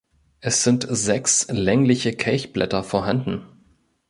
Es sind sechs längliche Kelchblätter vorhanden.